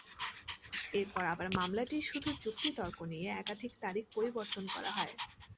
এরপর আবার মামলাটির শুধু যুক্তিতর্ক নিয়ে একাধিক তারিখ পরিবর্তন করা হয়।